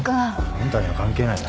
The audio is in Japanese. あんたには関係ないよ。